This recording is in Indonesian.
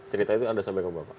cerita itu anda sampai ke bapak